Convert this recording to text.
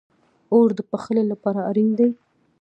اور د پخلی لپاره اړین دی